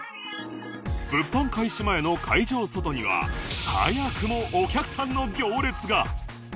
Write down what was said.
物販開始前の会場外には早くもお客さんの行列が！